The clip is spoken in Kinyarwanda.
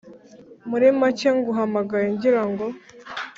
murimake nguhamagaye ngira ngo